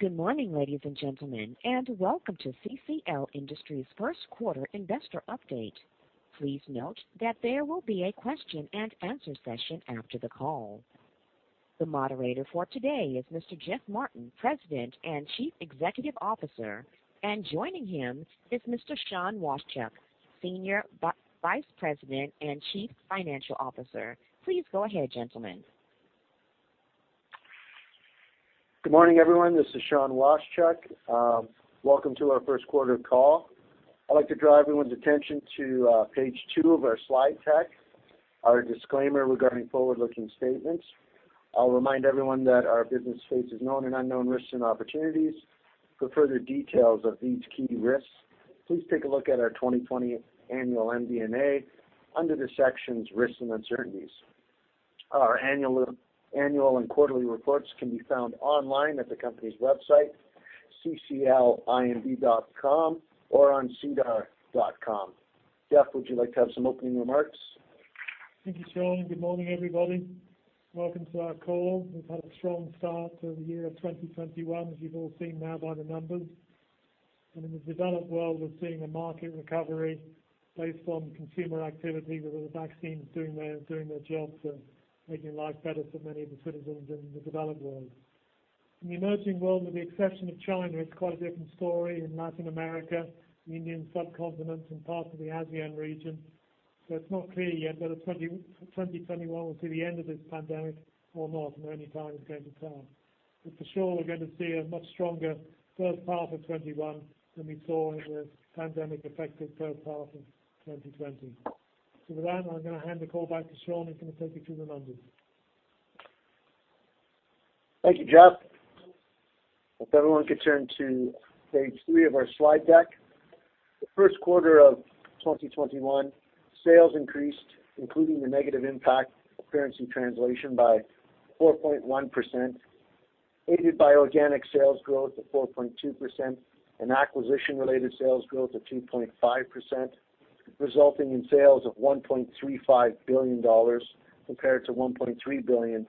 Good morning, ladies and gentlemen, and welcome to CCL Industries' first quarter investor update. Please note that there will be a question and answer session after the call. The moderator for today is Mr. Geoff Martin, President and Chief Executive Officer, and joining him is Mr. Sean Washchuk, Senior Vice President and Chief Financial Officer. Please go ahead, gentlemen. Good morning, everyone. This is Sean Washchuk. Welcome to our first-quarter call. I'd like to draw everyone's attention to page two of our slide deck, our disclaimer regarding forward-looking statements. I'll remind everyone that our business faces known and unknown risks and opportunities. For further details of these key risks, please take a look at our 2020 annual MD&A under the sections Risks and Uncertainties. Our annual and quarterly reports can be found online at the company's website, cclind.com, or on sedar.com. Geoff, would you like to have some opening remarks? Thank you, Sean. Good morning, everybody. Welcome to our call. We've had a strong start to the year 2021, as you've all seen now by the numbers. In the developed world, we're seeing a market recovery based on consumer activity with the vaccines doing their jobs and making life better for many of the citizens in the developed world. In the emerging world, with the exception of China, it's quite a different story in Latin America, the Indian subcontinent, and parts of the ASEAN region. It's not clear yet whether 2021 will see the end of this pandemic or not, and only time is going to tell. For sure, we're going to see a much stronger first half of 2021 than we saw in the pandemic-affected first half of 2020. With that, I'm going to hand the call back to Sean, who's going to take you through the numbers. Thank you, Geoff. If everyone could turn to page three of our slide deck. The first quarter of 2021, sales increased, including the negative impact of currency translation by 4.1%, aided by organic sales growth of 4.2% and acquisition-related sales growth of 2.5%, resulting in sales of 1.35 billion dollars compared to 1.3 billion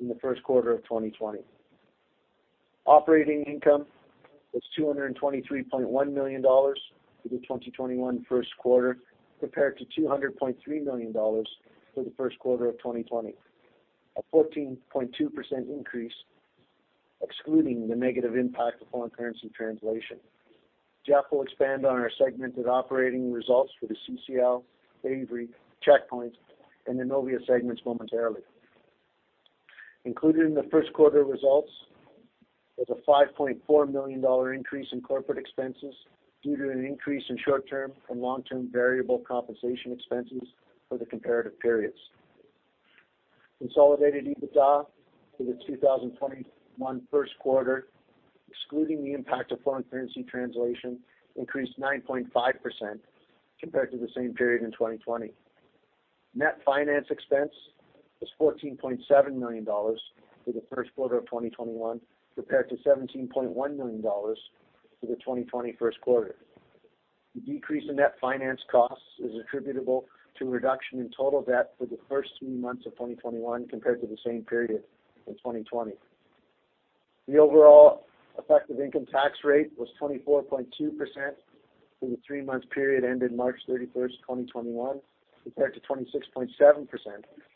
in the first quarter of 2020. Operating income was 223.1 million dollars for the 2021 first quarter, compared to 200.3 million dollars for the first quarter of 2020. A 14.2% increase, excluding the negative impact of foreign currency translation. Geoff will expand on our segmented operating results for the CCL, Avery, Checkpoint, and Innovia segments momentarily. Included in the first quarter results was a 5.4 million dollar increase in corporate expenses due to an increase in short-term and long-term variable compensation expenses for the comparative periods. Consolidated EBITDA for the 2021 first quarter, excluding the impact of foreign currency translation, increased 9.5% compared to the same period in 2020. Net finance expense was 14.7 million dollars for the first quarter of 2021, compared to 17.1 million dollars for the 2020 first quarter. The decrease in net finance costs is attributable to a reduction in total debt for the first three months of 2021 compared to the same period in 2020. The overall effective income tax rate was 24.2% for the three months period ended March 31st, 2021, compared to 26.7%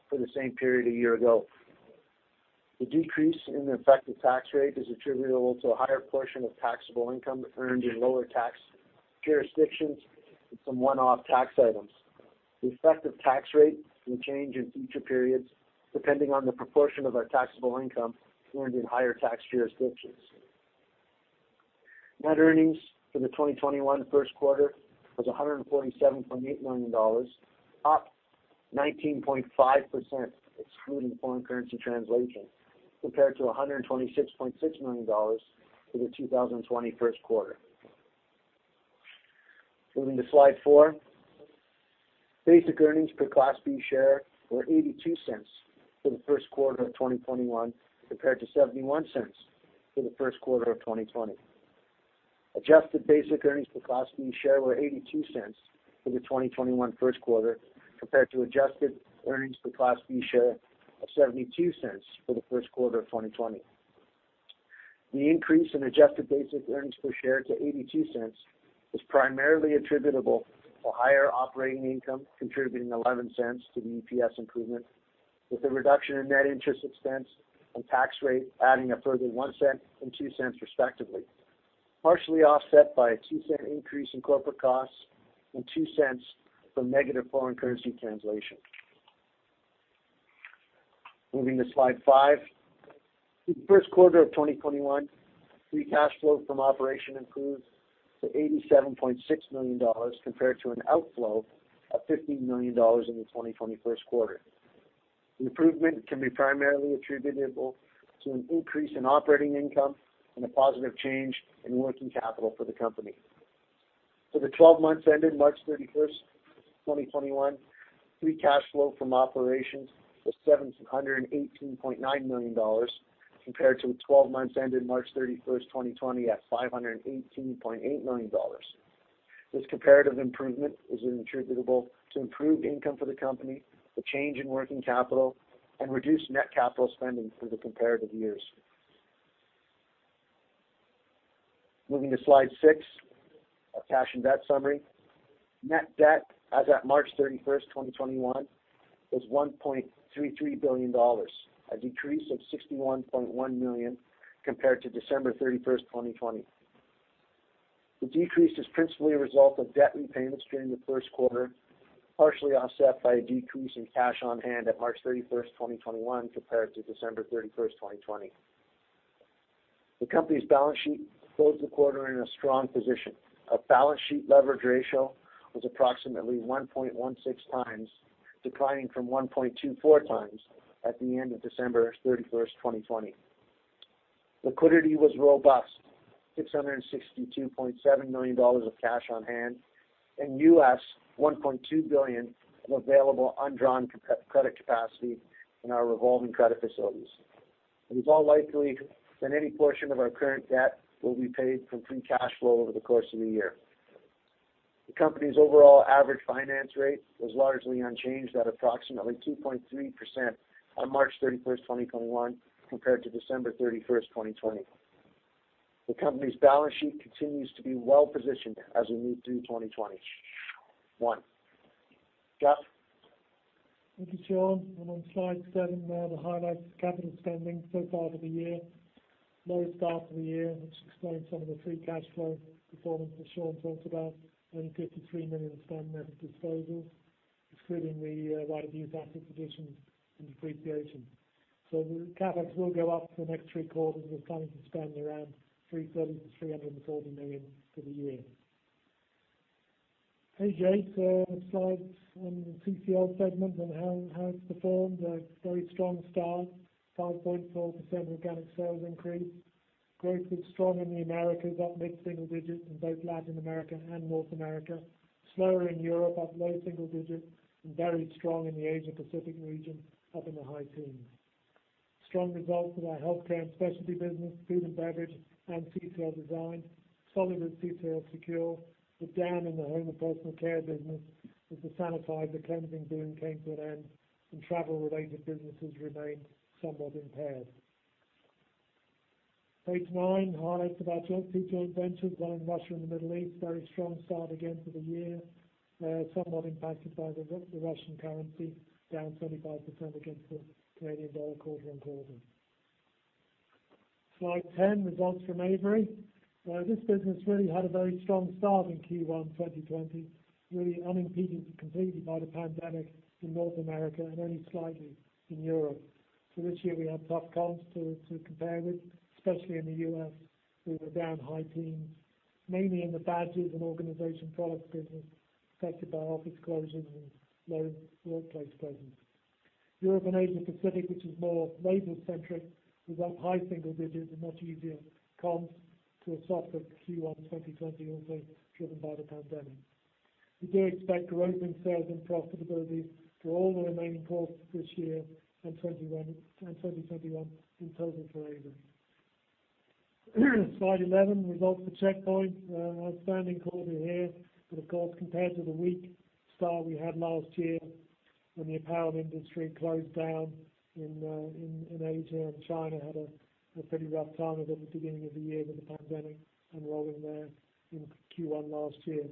for the same period a year ago. The decrease in the effective tax rate is attributable to a higher portion of taxable income earned in lower tax jurisdictions and some one-off tax items. The effective tax rate can change in future periods, depending on the proportion of our taxable income earned in higher tax jurisdictions. Net earnings for the 2021 first quarter was 147.8 million dollars, up 19.5%, excluding foreign currency translation, compared to 126.6 million dollars for the 2020 first quarter. Moving to slide four. Basic earnings per Class B share were 0.82 for the first quarter of 2021, compared to 0.71 for the first quarter of 2020. Adjusted basic earnings per Class B share were 0.82 for the 2021 first quarter, compared to adjusted earnings per Class B share of 0.72 for the first quarter of 2020. The increase in adjusted basic earnings per share to 0.82 is primarily attributable to higher operating income, contributing 0.11 to the EPS improvement, with a reduction in net interest expense and tax rate adding a further 0.01 and 0.02 respectively, partially offset by a 0.02 increase in corporate costs and 0.02 from negative foreign currency translation. Moving to slide five. In the first quarter of 2021, free cash flow from operations improved to 87.6 million dollars, compared to an outflow of 15 million dollars in the 2020 first quarter. The improvement can be primarily attributable to an increase in operating income and a positive change in working capital for the company. For the 12 months ended March 31st, 2021, free cash flow from operations was 718.9 million dollars, compared to the 12 months ended March 31st, 2020, at 518.8 million dollars. This comparative improvement is attributable to improved income for the company, the change in working capital, and reduced net capital spending for the comparative years. Moving to slide six, our cash and debt summary. Net debt as at March 31st, 2021 was 1.33 billion dollars, a decrease of 61.1 million compared to December 31st, 2020. The decrease is principally a result of debt repayments during the first quarter, partially offset by a decrease in cash on hand at March 31, 2021 compared to December 31, 2020. The company's balance sheet closed the quarter in a strong position. Our balance sheet leverage ratio was approximately 1.16x, declining from 1.24x at the end of December 31, 2020. Liquidity was robust, 662.7 million dollars of cash on hand and $1.2 billion of available undrawn credit capacity in our revolving credit facilities. It is all likely that any portion of our current debt will be paid from free cash flow over the course of the year. The company's overall average finance rate was largely unchanged at approximately 2.3% on March 31, 2021 compared to December 31, 2020. The company's balance sheet continues to be well-positioned as we move through 2021. Geoff? Thank you, Sean. I'm on slide seven now that highlights capital spending so far for the year. Slow start to the year, which explains some of the free cash flow performance that Sean talked about. Only 53 million spent net of disposals, excluding the right of use asset additions and depreciation. The CapEx will go up for the next three quarters. We're planning to spend around 330 million-340 million for the year. Page eight, slides on the CCL segment and how it's performed. A very strong start, 5.4% organic sales increase. Growth was strong in the Americas, up mid-single digits in both Latin America and North America. Slower in Europe, up low single digits, and very strong in the Asia-Pacific region, up in the high teens. Strong results with our healthcare and specialty business, food and beverage, and CCL Design. Solid with CCL Secure, but down in the home and personal care business as the sanitizer cleansing boom came to an end and travel-related businesses remained somewhat impaired. Page nine, highlights of our joint CCL ventures, one in Russia and the Middle East. Very strong start again for the year. Somewhat impacted by the Russian currency, down 25% against the Canadian dollar quarter on quarter. Slide 10, results from Avery. This business really had a very strong start in Q1 2020, really unimpeded completely by the pandemic in North America and only slightly in Europe. This year we have tough comps to compare with, especially in the U.S., where we're down high teens, mainly in the badges and organization products business affected by office closures and low workplace presence. Europe and Asia Pacific, which is more label centric, was up high single digits and much easier comps to a softer Q1 2020, also driven by the pandemic. We do expect growth in sales and profitability for all the remaining quarters this year and 2021 in total for Avery. Slide 11, results for Checkpoint. Outstanding quarter here, of course, compared to the weak start we had last year when the apparel industry closed down in Asia and China had a pretty rough time of it at the beginning of the year with the pandemic unraveling there in Q1 last year.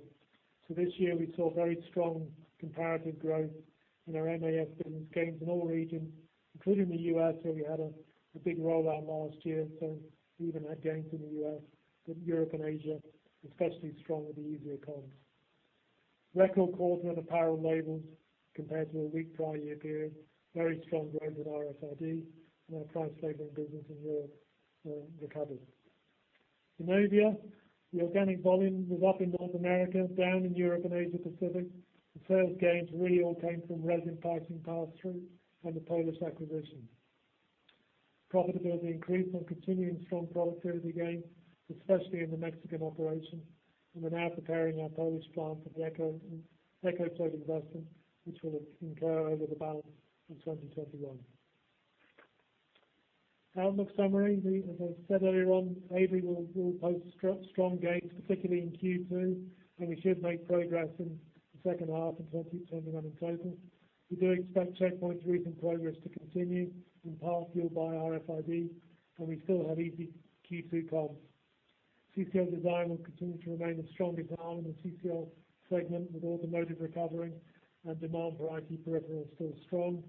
This year we saw very strong comparative growth in our MAS business, gains in all regions, including the U.S., where we had a big rollout last year. We even had gains in the U.S. with Europe and Asia especially strong with the easier comps. Record quarter on apparel labels compared to a weak prior year period. Very strong growth in RFID and our price labeling business in Europe recovered. Innovia, the organic volume was up in North America, down in Europe and Asia Pacific. The sales gains really all came from resin pricing pass-through and the Polish acquisition. Profitability increased on continuing strong productivity gains, especially in the Mexican operation, and we're now preparing our Polish plant for the EcoFloat investment, which will incur over the balance of 2021. Outlook summary. As I said earlier on, Avery will post strong gains, particularly in Q2, and we should make progress in the second half of 2021 in total. We do expect Checkpoint's recent progress to continue, in part fueled by RFID, and we still have easy Q2 comps. CCL Design will continue to remain a strong component of CCL segment with automotive recovering and demand for IT peripherals still strong.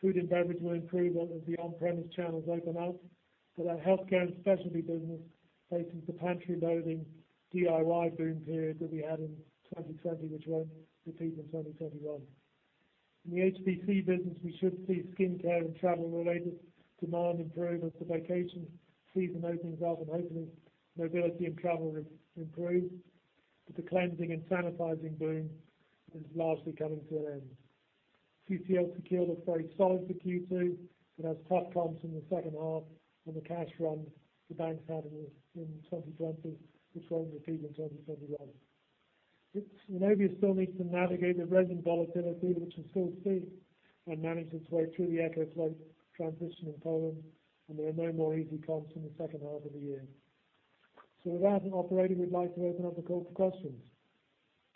Food and beverage will improve as the on-premise channels open up. That healthcare and specialty business faces the pantry loading DIY boom period that we had in 2020, which won't repeat in 2021. In the HPC business, we should see skincare and travel-related demand improve as the vacation season opens up and hopefully mobility and travel improve. The cleansing and sanitizing boom is largely coming to an end. CCL Secure looks very solid for Q2. It has tough comps in the second half on the cash run the banks had in 2020, which won't repeat in 2021. Innovia still needs to navigate the resin volatility, which we still see and managed its way through the EcoFloat transition in Poland, and there are no more easy comps in the second half of the year. With that, operator, we'd like to open up the call to questions.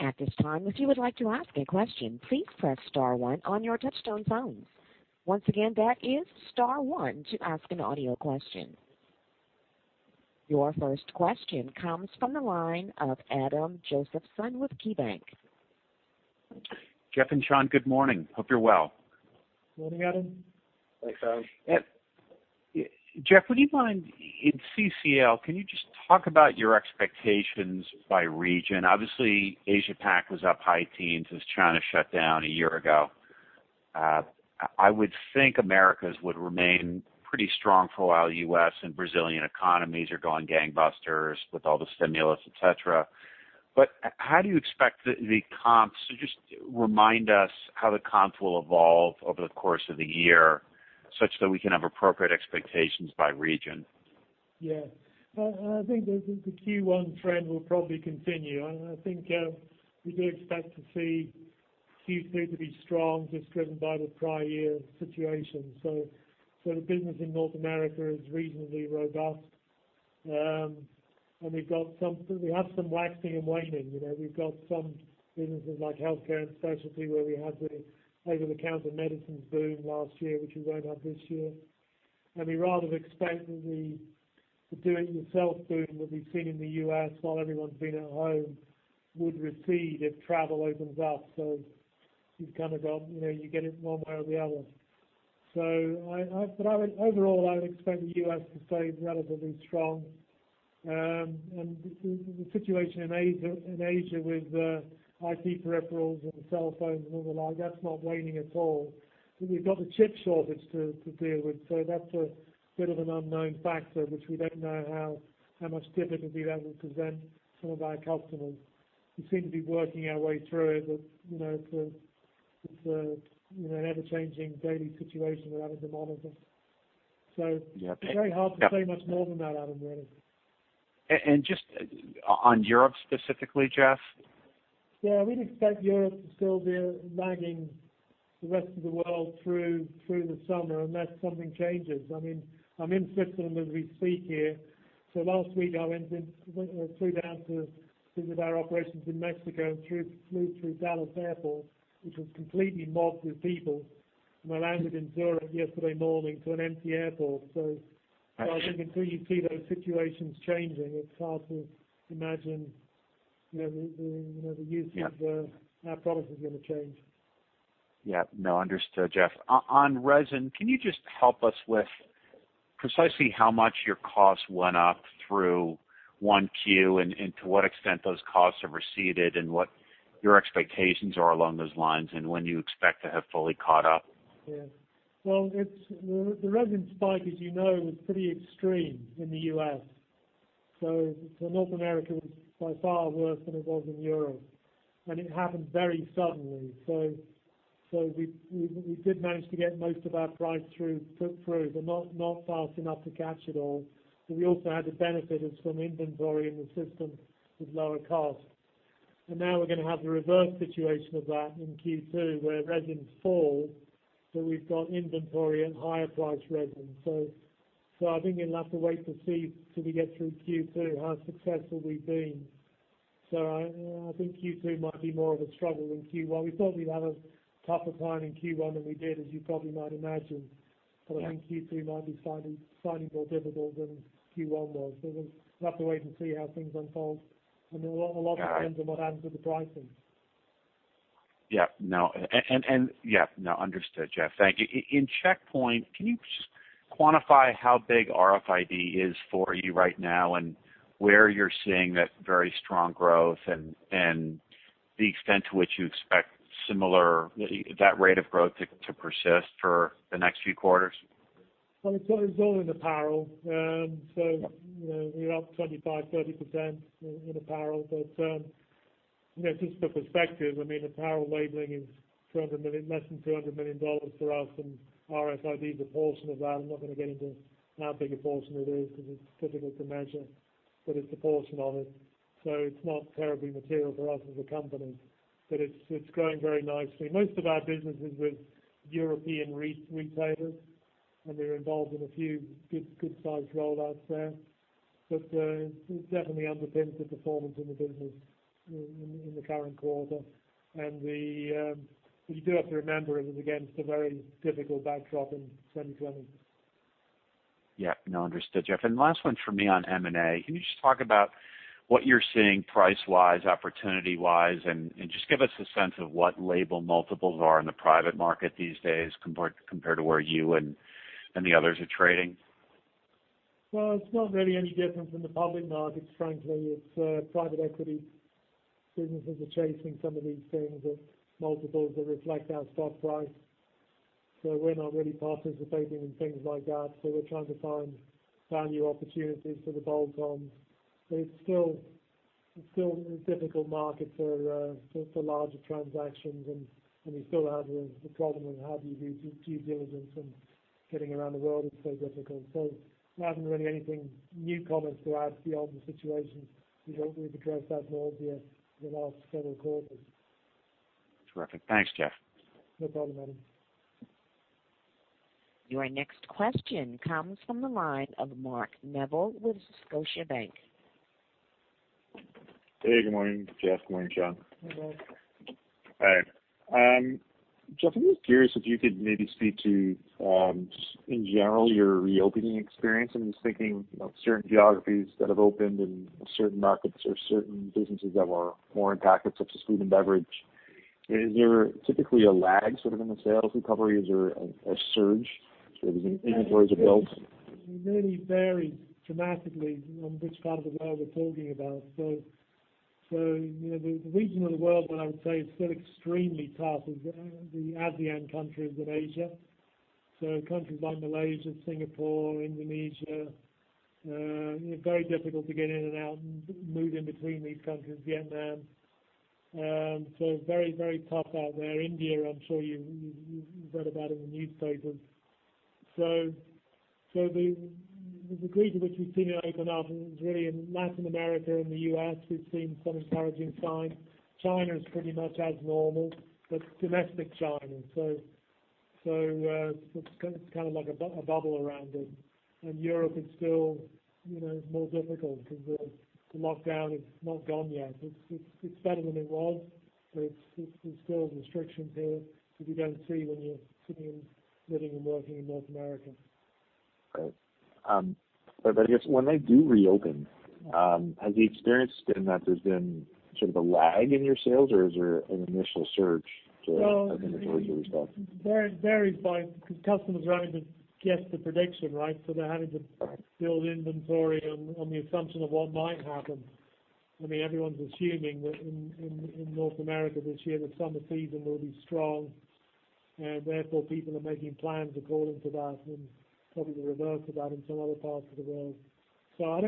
At this time, would you would like to ask a question? Please press star one on your touchtone phone. Once again that is star one to ask an audio question. Your first question comes from the line of Adam Josephson with KeyBanc. Geoff and Sean, good morning. Hope you're well. Morning, Adam. Thanks, Adam. Geoff, in CCL, can you just talk about your expectations by region? Obviously, Asia Pac was up high teens as China shut down a year ago. I would think Americas would remain pretty strong for a while. U.S. and Brazilian economies are going gangbusters with all the stimulus, et cetera. How do you expect the comps to just remind us how the comps will evolve over the course of the year such that we can have appropriate expectations by region? Yeah. I think the Q1 trend will probably continue, and I think we do expect to see Q3 to be strong, just driven by the prior year situation. We have some waxing and waning. We've got some businesses like healthcare and specialty, where we had the over-the-counter medicines boom last year, which we won't have this year. We rather expect the DIY boom that we've seen in the U.S. while everyone's been at home would recede if travel opens up. You get it one way or the other. Overall, I would expect the U.S. to stay relatively strong. The situation in Asia with IT peripherals and cell phones and all the like, that's not waning at all. We've got the chip shortage to deal with, so that's a bit of an unknown factor, which we don't know how much difficulty that will present some of our customers. We seem to be working our way through it, but it's an ever-changing daily situation we're having to monitor. Yeah. It's very hard to say much more than that, Adam, really. Just on Europe specifically, Geoff? We'd expect Europe to still be lagging the rest of the world through the summer unless something changes. I'm in Switzerland as we speak here. Last week I flew down to visit our operations in Mexico and flew through Dallas Airport, which was completely mobbed with people. I landed in Zurich yesterday morning to an empty airport. Got you. I think until you see those situations changing, it's hard to imagine the. Yeah. Of our product is going to change. Yeah. No, understood, Geoff. On resin, can you just help us with precisely how much your cost went up through 1Q and to what extent those costs have receded, and what your expectations are along those lines, and when you expect to have fully caught up? Yeah. Well, the resin spike, as you know, was pretty extreme in the U.S. North America was by far worse than it was in Europe, and it happened very suddenly. We did manage to get most of our price through, but not fast enough to catch it all. We also had the benefit of some inventory in the system with lower cost. Now we're going to have the reverse situation of that in Q2, where resins fall, so we've got inventory and higher price resin. I think you'll have to wait to see till we get through Q2 how successful we've been. I think Q2 might be more of a struggle than Q1. We thought we'd have a tougher time in Q1 than we did, as you probably might imagine. Yeah. I think Q2 might be slightly more difficult than Q1 was. We'll have to wait and see how things unfold. Got it. Depends on what happens with the pricing. No, understood, Geoff. Thank you. In Checkpoint, can you just quantify how big RFID is for you right now, and where you're seeing that very strong growth, and the extent to which you expect that rate of growth to persist for the next few quarters? It's all in apparel. We're up 25%, 30% in apparel. Just for perspective, apparel labeling is less than 200 million dollars for us, and RFID is a portion of that. I'm not going to get into how big a portion it is because it's difficult to measure. It's a portion of it, so it's not terribly material for us as a company. It's growing very nicely. Most of our business is with European retailers, and we're involved in a few good-sized rollouts there. It definitely underpins the performance in the business in the current quarter. You do have to remember it is against a very difficult backdrop in 2020. Yeah. No, understood, Geoff. Last one from me on M&A. Can you just talk about what you're seeing price-wise, opportunity-wise, and just give us a sense of what label multiples are in the private market these days compared to where you and the others are trading? Well, it's not really any different from the public markets, frankly. Private equity businesses are chasing some of these things at multiples that reflect our stock price. We're not really participating in things like that. We're trying to find new opportunities for the bolt-ons. It's still a difficult market for larger transactions, and you still have the problem of how do you do due diligence and getting around the world is so difficult. There isn't really anything new comments to add beyond the situation. We think we've addressed that more over the last several quarters. Terrific. Thanks, Geoff. No problem, Adam. Your next question comes from the line of Mark Neville with Scotiabank. Hey, good morning, Geoff. Good morning, Sean. Good morning. Hi. Geoff, I'm just curious if you could maybe speak to, just in general, your reopening experience. I'm just thinking of certain geographies that have opened and certain markets or certain businesses that were more impacted, such as food and beverage. Is there typically a lag sort of in the sales recovery? Is there a surge as inventories are built? It really varies dramatically on which part of the world we're talking about. The region of the world that I would say is still extremely tough is the ASEAN countries of Asia. Countries like Malaysia, Singapore, Indonesia, very difficult to get in and out and move in between these countries, Vietnam. Very, very tough out there. India, I'm sure you've read about in the newspapers. The degree to which we've seen open up is really in Latin America and the U.S., we've seen some encouraging signs. China is pretty much as normal, but domestic China. It's kind of like a bubble around it. In Europe, it's still more difficult because the lockdown is not gone yet. It's better than it was, but there's still restrictions there that you don't see when you're sitting and living and working in North America. Great. I guess, when they do reopen, have you experienced then that there's been sort of a lag in your sales, or is there an initial surge as inventories are built? It varies by customers trying to guess the prediction, right? They're having to build inventory on the assumption of what might happen. Everyone's assuming that in North America this year, the summer season will be strong, and therefore, people are making plans according to that and probably the reverse of that in some other parts of the world.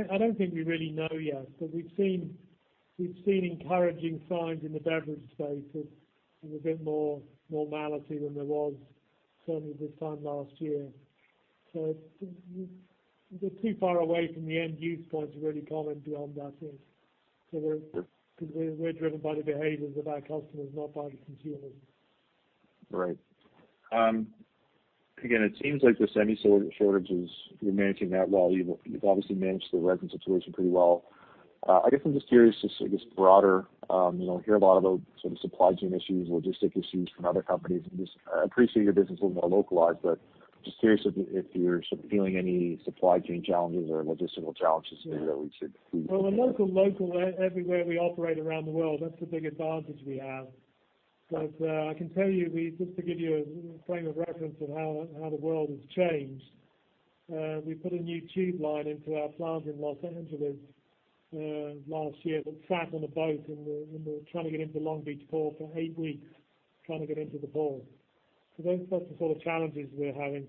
I don't think we really know yet, but we've seen encouraging signs in the beverage space of a bit more normality than there was certainly this time last year. We're too far away from the end use point to really comment beyond that. We're driven by the behaviors of our customers, not by the consumers. Right. Again, it seems like the semi shortages, you're managing that well. You've obviously managed the resin situation pretty well. I guess I'm just curious, just broader, hear a lot about sort of supply chain issues, logistic issues from other companies, and just appreciate your business a little more localized, but just curious if you're sort of feeling any supply chain challenges or logistical challenges there that we should- Well, we're local everywhere we operate around the world. That's the big advantage we have. I can tell you, just to give you a frame of reference of how the world has changed, we put a new tube line into our plant in Los Angeles, last year, that sat on a boat and we were trying to get into Long Beach Port for eight weeks, trying to get into the port. Those types of sort of challenges we're having.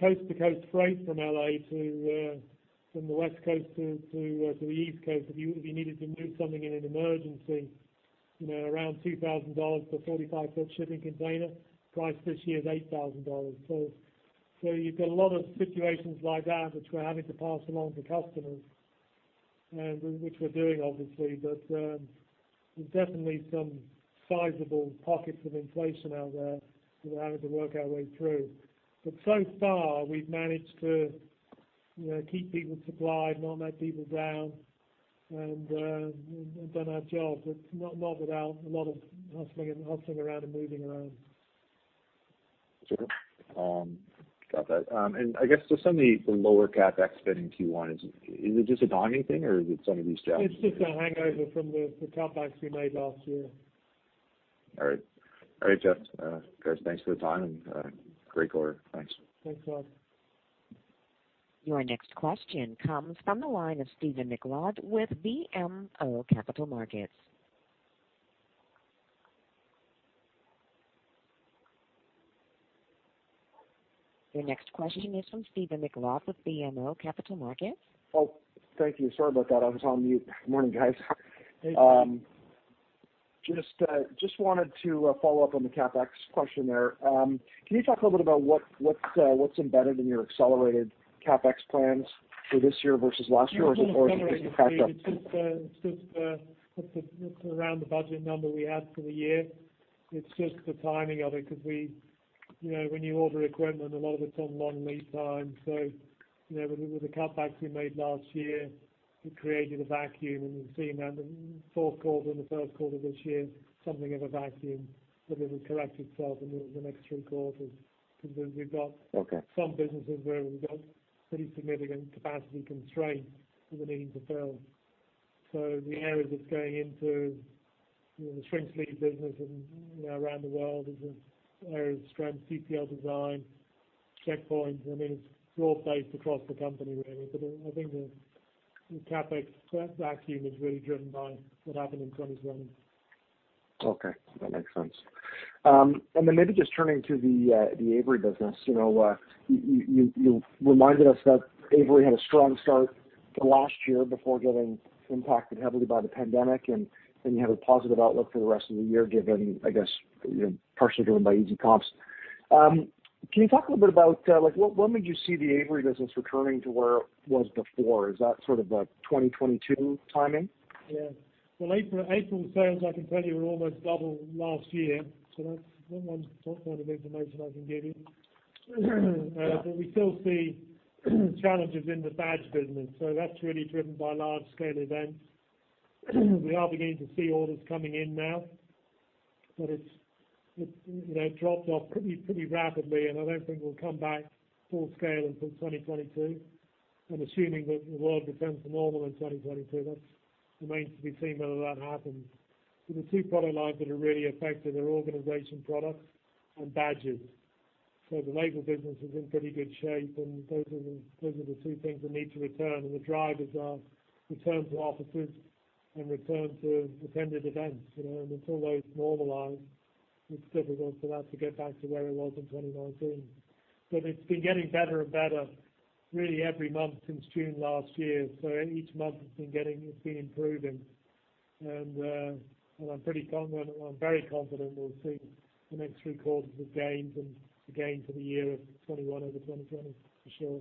Coast-to-coast freight from the West Coast to the East Coast, if you needed to move something in an emergency, around 2,000 dollars for a 45-foot shipping container. Price this year is 8,000 dollars. You've got a lot of situations like that which we're having to pass along to customers, and which we're doing, obviously. There's definitely some sizable pockets of inflation out there that we're having to work our way through. So far, we've managed to keep people supplied, not let people down and done our job, but not without a lot of hustling around and moving around. Sure. Got that. I guess just on the lower CapEx spend in Q1, is it just a timing thing or is it some of these challenges? It's just a hangover from the cutbacks we made last year. All right. All right, Geoff. Guys, thanks for the time, and great quarter. Thanks. Thanks, Adam. Your next question comes from the line of Stephen MacLeod with BMO Capital Markets. Your next question is from Stephen MacLeod with BMO Capital Markets. Oh, thank you. Sorry about that. I was on mute. Morning, guys. Hey, Stephen. Just wanted to follow up on the CapEx question there. Can you talk a little bit about what's embedded in your accelerated CapEx plans for this year versus last year or is it just a catch up? It's not accelerated, Stephen. It's around the budget number we had for the year. It's just the timing of it because when you order equipment, a lot of it's on long lead times. With the cutbacks we made last year, it created a vacuum, and we've seen that in the fourth quarter and the first quarter of this year, something of a vacuum. It would correct itself in the next three quarters, because we've got. Okay. some businesses where we've got pretty significant capacity constraints that we're needing to fill. The areas it's going into, the shrink sleeve business and around the world is an area of strength, CCL Design, Checkpoint. It's broad-based across the company, really. I think the CapEx vacuum is really driven by what happened in 2020. Okay. That makes sense. Maybe just turning to the Avery business. You reminded us that Avery had a strong start last year before getting impacted heavily by the pandemic, and then you have a positive outlook for the rest of the year, partially driven by easy comps. Can you talk a little bit about when would you see the Avery business returning to where it was before? Is that a 2022 timing? Well, April sales, I can tell you, were almost double last year. That's one point of information I can give you. We still see challenges in the badge business. That's really driven by large-scale events. We are beginning to see orders coming in now, but it's dropped off pretty rapidly, and I don't think we'll come back full scale until 2022. I'm assuming that the world returns to normal in 2022. That remains to be seen whether that happens. The two product lines that are really affected are organization products and badges. The label business is in pretty good shape, and those are the two things that need to return. The drivers are return to offices and return to attended events. Until those normalize, it's difficult for that to get back to where it was in 2019. It's been getting better and better really every month since June last year. Each month it's been improving. I'm very confident we'll see the next three quarters of gains and a gain for the year of 2021 over 2020, for sure.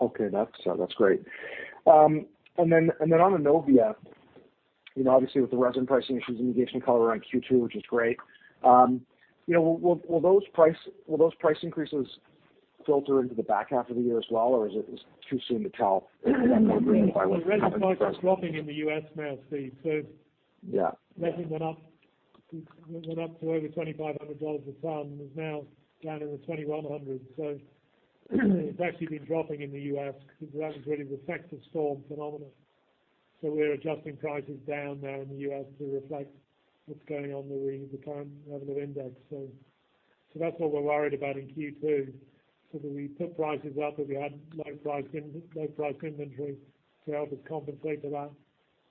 Okay. That's great. On Innovia, obviously with the resin pricing issues and the guidance you color on Q2, which is great. Will those price increases filter into the back half of the year as well, or is it too soon to tell? The resin price is dropping in the U.S. now, Steve. Yeah. Resin went up to over 2,500 dollars a ton. It is now down in the 2,100. It's actually been dropping in the U.S. because the resin is really the effect of storm phenomena. We're adjusting prices down now in the U.S. to reflect what's going on with the time of index. That's what we're worried about in Q2, so that we put prices up as we had low price inventory to help us compensate for that.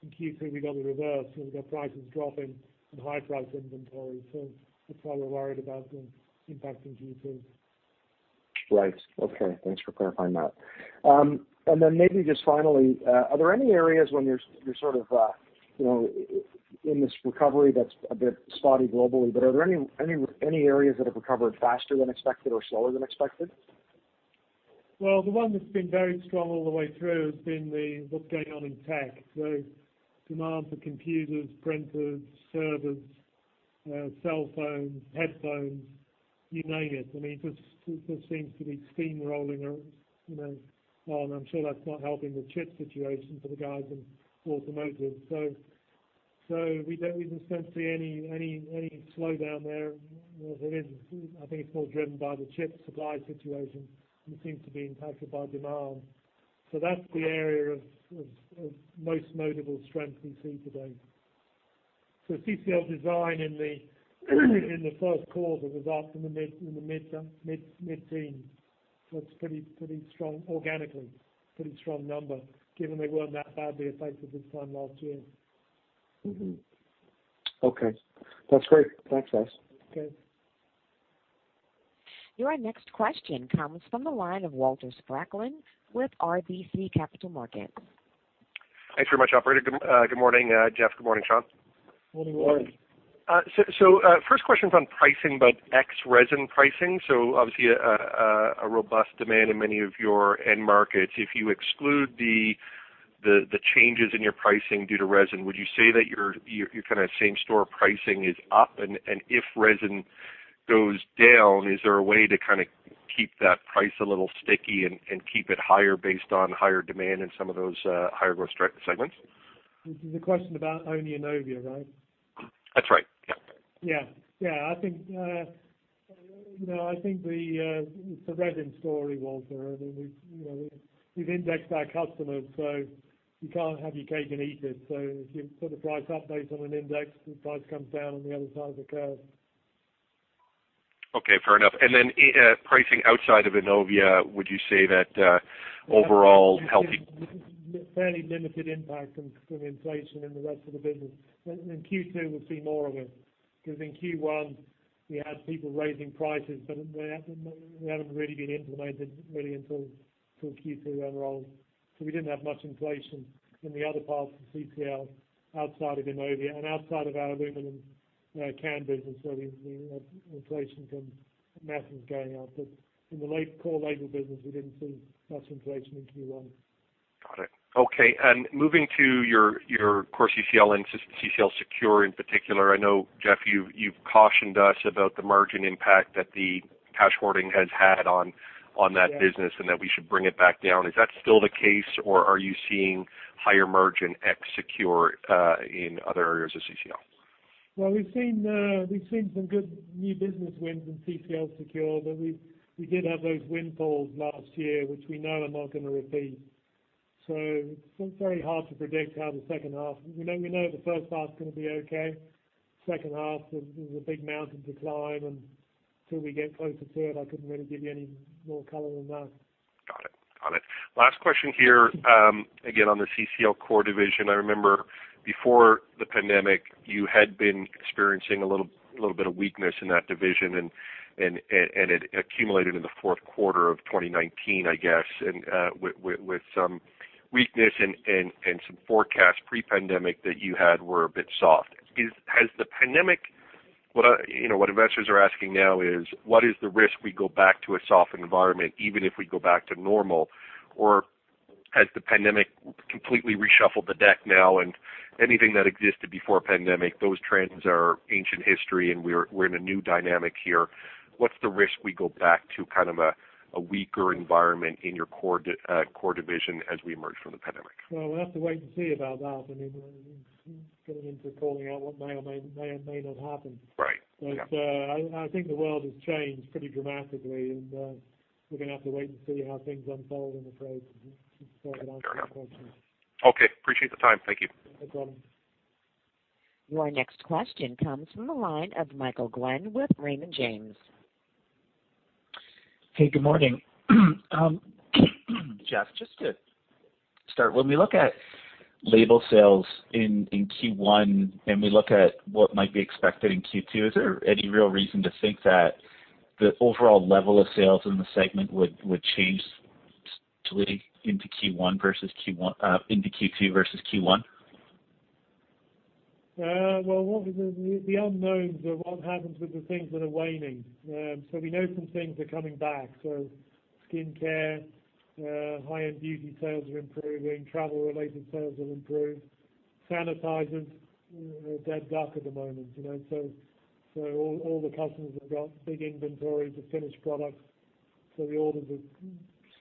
In Q3, we got the reverse, so we've got prices dropping and high price inventory. That's why we're worried about the impact in Q2. Right. Okay, thanks for clarifying that. Then maybe just finally, are there any areas when you're in this recovery that's a bit spotty globally, but are there any areas that have recovered faster than expected or slower than expected? The one that's been very strong all the way through has been what's going on in tech. Demand for computers, printers, servers, cell phones, headphones, you name it, just seems to be steamrolling on. I'm sure that's not helping the chip situation for the guys in automotive. We don't see any slowdown there. I think it's more driven by the chip supply situation than seems to be impacted by demand. That's the area of most notable strength we see today. CCL Design in the first quarter was up in the mid-teens. It's pretty strong organically, pretty strong number given they weren't that badly affected this time last year. Mm-hmm. Okay. That's great. Thanks, Geoff. Okay. Your next question comes from the line of Walter Spracklin with RBC Capital Markets. Thanks very much, operator. Good morning, Geoff. Good morning, Sean. Morning, Walter. First question is on pricing, but ex-resin pricing. Obviously, a robust demand in many of your end markets. If you exclude the changes in your pricing due to resin, would you say that your same store pricing is up? If resin goes down, is there a way to keep that price a little sticky and keep it higher based on higher demand in some of those higher growth segments? This is a question about only Innovia, right? That's right. Yep. Yeah. I think it's a resin story, Walter. We've indexed our customers, so you can't have your cake and eat it. If you put a price up based on an index, the price comes down on the other side of the curve. Okay. Fair enough. Then pricing outside of Innovia, would you say that overall healthy? Fairly limited impact from inflation in the rest of the business. In Q2, we'll see more of it, because in Q1, we had people raising prices, but they haven't really been implemented really until Q2 unrolled. We didn't have much inflation in the other parts of CCL outside of Innovia and outside of our aluminum can business. The inflation from metals going up. In the core label business, we didn't see much inflation in Q1. Got it. Okay. Moving to your core CCL and CCL Secure in particular. I know, Geoff, you've cautioned us about the margin impact that the cash hoarding has had on that business. Yeah. That we should bring it back down. Is that still the case, or are you seeing higher margin ex Secure in other areas of CCL? Well, we've seen some good new business wins in CCL Secure. We did have those windfalls last year, which we know are not going to repeat. It's very hard to predict. We know the first half's going to be okay. Second half is a big mountain to climb, and till we get closer to it, I couldn't really give you any more color than that. Got it. Last question here, again, on the CCL core division. I rememberBefore the pandemic, you had been experiencing a little bit of weakness in that division and it accumulated in the fourth quarter of 2019, I guess, and with some weakness and some forecasts pre-pandemic that you had were a bit soft. What investors are asking now is, what is the risk we go back to a softened environment even if we go back to normal? Or has the pandemic completely reshuffled the deck now and anything that existed before pandemic, those trends are ancient history, and we're in a new dynamic here? What's the risk we go back to a weaker environment in your core division as we emerge from the pandemic? Well, we'll have to wait and see about that. Getting into calling out what may or may not happen. Right. Yeah. I think the world has changed pretty dramatically, and we're going to have to wait and see how things unfold in the trade. Okay. Appreciate the time. Thank you. No problem. Your next question comes from the line of Michael Glen with Raymond James. Hey, good morning. Geoff, just to start, when we look at label sales in Q1, and we look at what might be expected in Q2, is there any real reason to think that the overall level of sales in the segment would change into Q2 versus Q1? The unknowns are what happens with the things that are waning. We know some things are coming back. Skincare, high-end beauty sales are improving, travel-related sales have improved. Sanitizers are a dead duck at the moment. All the customers have got big inventory to finish products. The orders have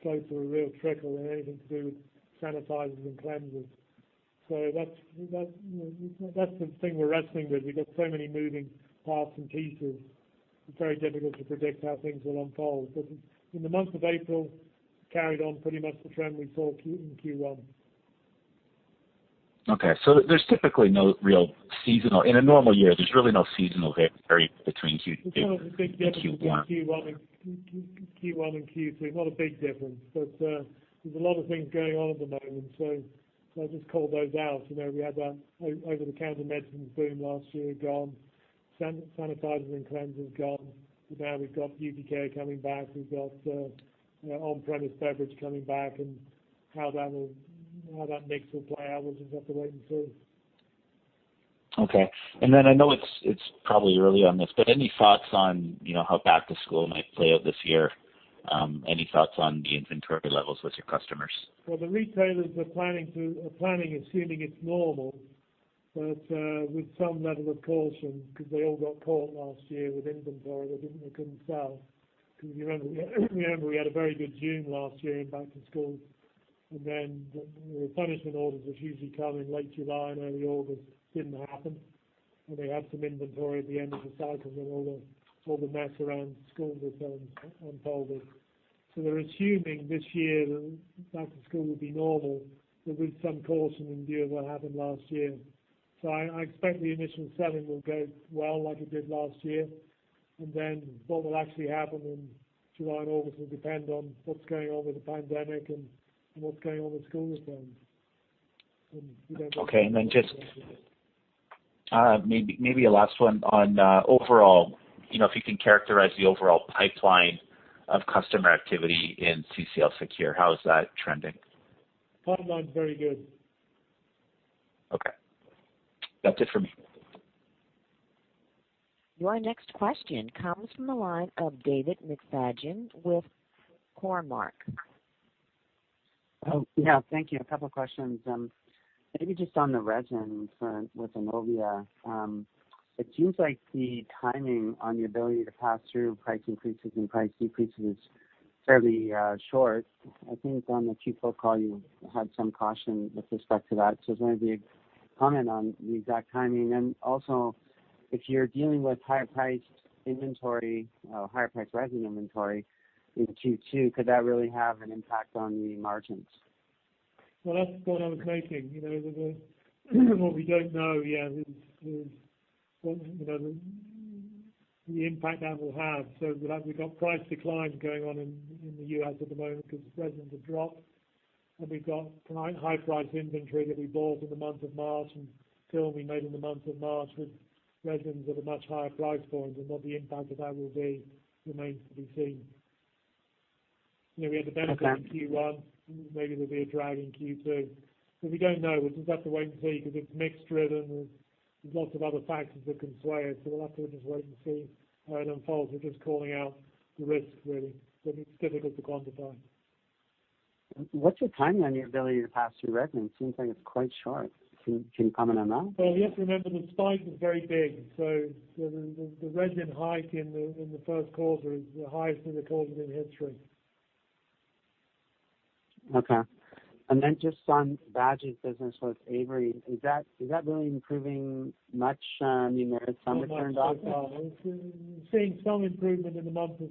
slowed to a real trickle in anything to do with sanitizers and cleansers. That's the thing we're wrestling with. We've got so many moving parts and pieces, it's very difficult to predict how things will unfold. In the month of April, carried on pretty much the trend we saw in Q1. Okay, in a normal year, there's really no seasonal vary between Q1 and Q2. There's not a big difference between Q1 and Q2. Not a big difference. There's a lot of things going on at the moment, so I'll just call those out. We had that over-the-counter medicines boom last year gone, sanitizers and cleansers gone. Now we've got beauty care coming back. We've got on-premise beverage coming back, and how that mix will play out, we'll just have to wait and see. Okay. I know it's probably early on this, but any thoughts on how back to school might play out this year? Any thoughts on the inventory levels with your customers? Well, the retailers are planning assuming it's normal, but with some level of caution because they all got caught last year with inventory they couldn't sell. Because you remember we had a very good June last year in back to school. Then the replenishment orders which usually come in late July and early August didn't happen. They had some inventory at the end of the cycle when all the mess around school openings unfolded. They're assuming this year that back to school will be normal, but with some caution in view of what happened last year. I expect the initial selling will go well like it did last year. Then what will actually happen in July and August will depend on what's going on with the pandemic and what's going on with school openings. Just maybe a last one on overall, if you can characterize the overall pipeline of customer activity in CCL Secure, how is that trending? Pipeline's very good. Okay. That's it for me. Your next question comes from the line of David McFadgen with Cormark. Oh, yeah. Thank you. A couple of questions. Maybe just on the resin front with Innovia. It seems like the timing on the ability to pass through price increases and price decreases fairly short. I think on the Q4 call, you had some caution with respect to that. I was wondering if you could comment on the exact timing. If you're dealing with higher priced resin inventory in Q2, could that really have an impact on the margins? Well, that's the point I was making. What we don't know yet is the impact that will have. We've got price declines going on in the U.S. at the moment because the resins have dropped, and we've got high priced inventory that we bought in the month of March and film we made in the month of March with resins at a much higher price point and what the impact of that will be remains to be seen. Okay. In Q1, maybe there'll be a drag in Q2. We don't know. We'll just have to wait and see because it's mix driven. There's lots of other factors that can sway it. We'll have to just wait and see how it unfolds. We're just calling out the risk, really, but it's difficult to quantify. What's your timing on your ability to pass through resins? Seems like it's quite short. Can you comment on that? Well, you have to remember the spike was very big. The resin hike in the first quarter is the highest in the quarter in history. Okay. Just on badges business with Avery. Is that really improving much? There are some returns on that. Not much so far. We've seen some improvement in the month of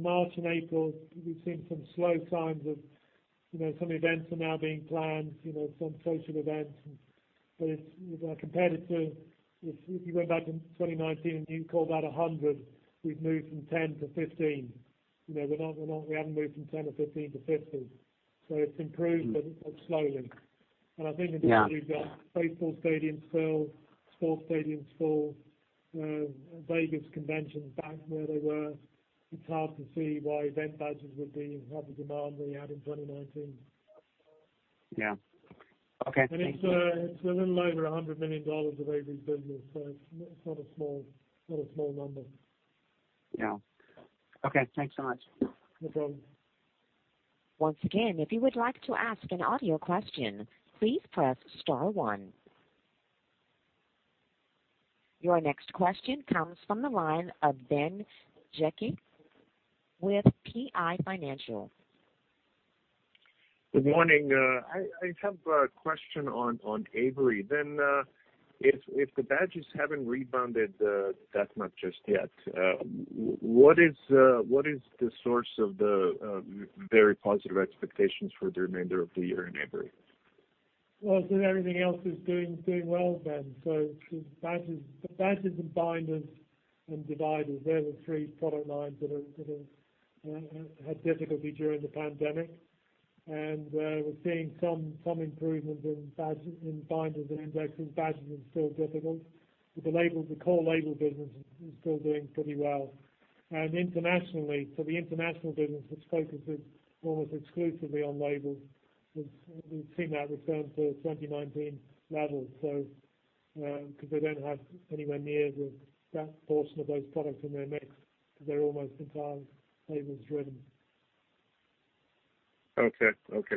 March and April. We've seen some slow signs of some events are now being planned, some social events. If you went back to 2019 and you called out 100, we've moved from 10 to 15. We haven't moved from 10 or 15 to 50. It's improved, but slowly. Yeah. I think until you've got baseball stadiums filled, sports stadiums full, Vegas conventions back where they were, it's hard to see why event badges would have the demand they had in 2019. Yeah. Okay. Thank you. It's a little over 100 million dollars of Avery's business, so it's not a small number. Yeah. Okay. Thanks so much. Okay. Once again if you would like to ask an audio question, please press star one. Your next question comes from the line of Ben Jekic with PI Financial. Good morning. I have a question on Avery then. If the badges haven't rebounded that much just yet, what is the source of the very positive expectations for the remainder of the year in Avery? Well, everything else is doing well, Ben. Badges and binders and dividers, they're the three product lines that have had difficulty during the pandemic. We're seeing some improvement in binders and indexes. Badges are still difficult. The core label business is still doing pretty well. Internationally, for the international business, which focuses almost exclusively on labels, we've seen that return to 2019 levels. Because they don't have anywhere near that portion of those products in their mix, because they're almost entirely labels driven. Okay.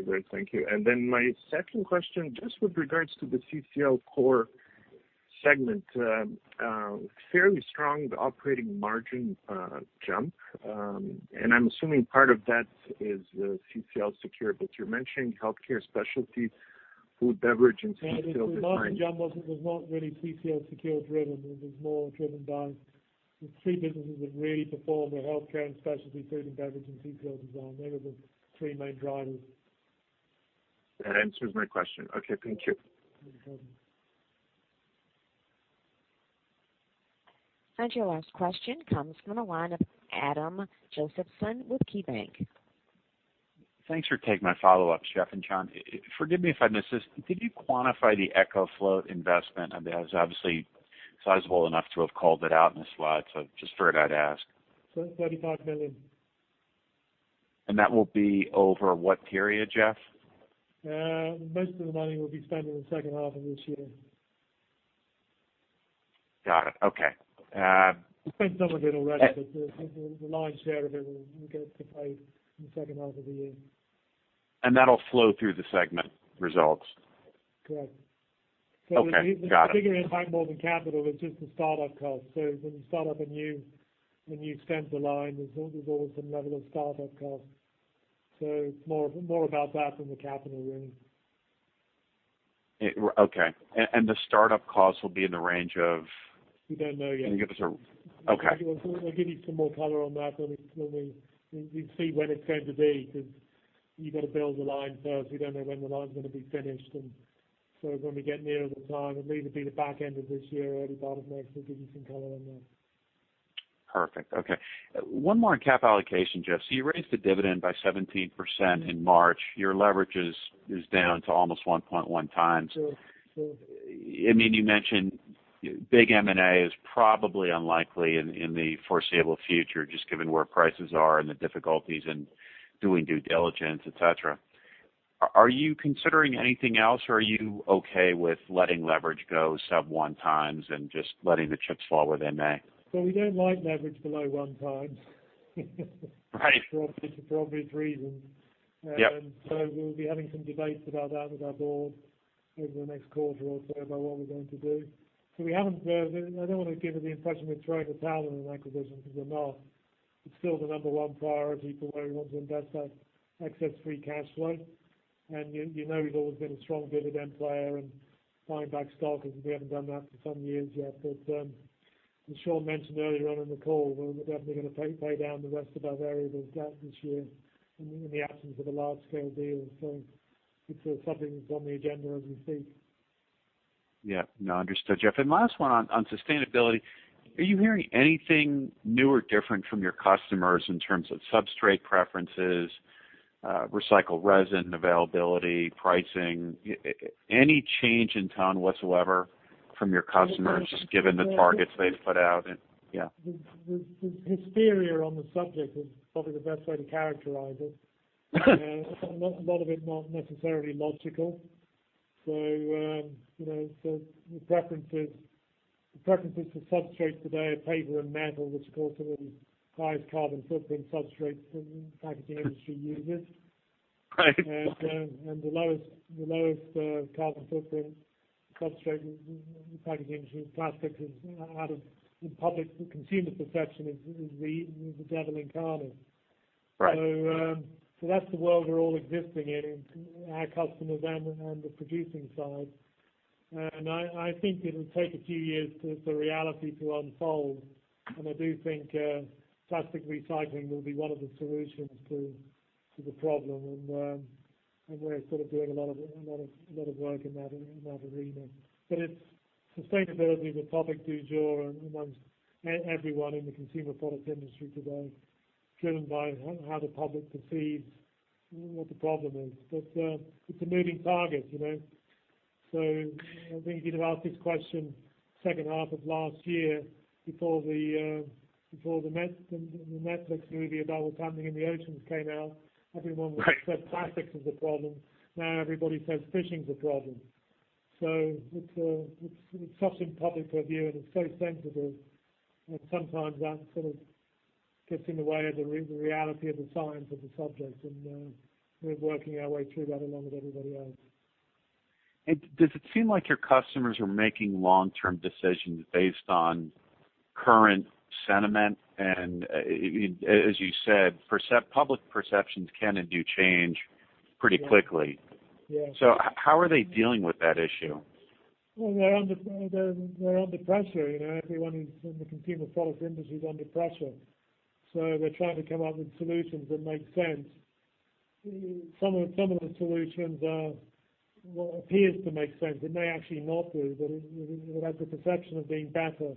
Great. Thank you. My second question, just with regards to the CCL core segment, fairly strong operating margin jump. I'm assuming part of that is CCL Secure, you're mentioning healthcare specialties, food, beverage, and CCL Design. The margin jump was not really CCL Secure driven. It was more driven by the three businesses that really performed were healthcare and specialty food and beverage and CCL Design. They were the three main drivers. That answers my question. Okay. Thank you. No problem. Your last question comes from the line of Adam Josephson with KeyBanc. Thanks for taking my follow-up, Geoff and Sean. Forgive me if I missed this. Could you quantify the EcoFloat investment? I mean, that was obviously sizable enough to have called it out in the slide, so just figured I'd ask. 35 million. That will be over what period, Geoff? Most of the money will be spent in the second half of this year. Got it. Okay. We spent some of it already, but the lion's share of it will get paid in the second half of the year. That'll flow through the segment results? Correct. Okay. Got it. The bigger impact more than capital is just the start-up cost. When you start up a new center line, there's always some level of start-up cost. It's more about that than the capital really. Okay. The start-up cost will be in the range of? We don't know yet. Can you give us? Okay. We'll give you some more color on that when we see when it's going to be, because you got to build the line first. We don't know when the line's going to be finished. When we get nearer the time, it'll either be the back end of this year or early part of next, we'll give you some color on that. Perfect. Okay. One more on cap allocation, Geoff. You raised the dividend by 17% in March. Your leverage is down to almost 1.1x. Sure. I mean, you mentioned big M&A is probably unlikely in the foreseeable future, just given where prices are and the difficulties in doing due diligence, et cetera. Are you considering anything else or are you okay with letting leverage go sub 1x and just letting the chips fall where they may? We don't like leverage below 1x. Right. For obvious reasons. Yep. We'll be having some debates about that with our board over the next quarter or so about what we're going to do. I don't want to give the impression we're throwing the towel in on acquisitions, because we're not. It's still the number one priority for where we want to invest that excess free cash flow. You know we've always been a strong dividend player and buying back stock, because we haven't done that for some years yet. As Sean mentioned earlier on in the call, we're definitely going to pay down the rest of our variable debt this year in the absence of a large-scale deal. It's something that's on the agenda as we speak. Yeah. No. Understood, Geoff. Last one on sustainability. Are you hearing anything new or different from your customers in terms of substrate preferences, recycled resin availability, pricing? Any change in tone whatsoever from your customers given the targets they've put out? The hysteria on the subject is probably the best way to characterize it. A lot of it not necessarily logical. The preferences for substrate today are paper and metal, which are sort of the highest carbon footprint substrates the packaging industry uses. Right. The lowest carbon footprint substrate in the packaging industry, plastics, out of the public consumer perception is the devil incarnate. Right. That's the world we're all existing in, our customers and the producing side. I think it'll take a few years for reality to unfold. I do think plastic recycling will be one of the solutions to the problem and we're sort of doing a lot of work in that arena. Sustainability is a topic du jour amongst everyone in the consumer products industry today, driven by how the public perceives what the problem is. It's a moving target. I think if you'd have asked this question second half of last year, before the Netflix movie about what's happening in the oceans came out. Right. say plastics is a problem. Everybody says fishing's a problem. It's such in public purview, and it's so sensitive that sometimes that sort of gets in the way of the reality of the science of the subject, and we're working our way through that along with everybody else. Does it seem like your customers are making long-term decisions based on current sentiment? As you said, public perceptions can and do change pretty quickly. Yeah. How are they dealing with that issue? They're under pressure. Everyone in the consumer products industry is under pressure. They're trying to come up with solutions that make sense. Some of the solutions are what appears to make sense. It may actually not do, but it has the perception of being better.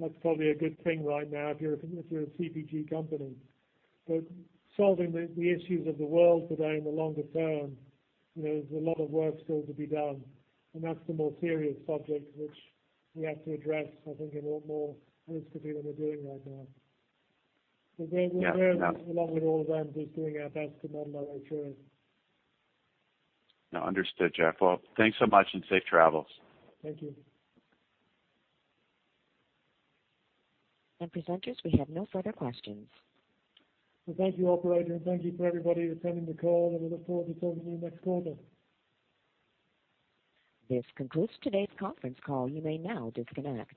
That's probably a good thing right now if you're a CPG company. Solving the issues of the world today in the longer term, there's a lot of work still to be done, and that's the more serious subject which we have to address, I think, in a lot more intensity than we're doing right now. Yeah. We're, along with all of them, just doing our best to muddle our way through it. No, understood, Geoff. Well, thanks so much, and safe travels. Thank you. Presenters, we have no further questions. Thank you, operator, and thank you for everybody attending the call, and we look forward to talking to you next quarter. This concludes today's conference call. You may now disconnect.